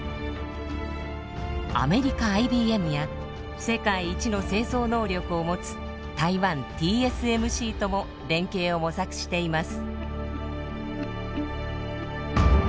アメリカＩＢＭや世界一の製造能力を持つ台湾ＴＳＭＣとも連携を模索しています。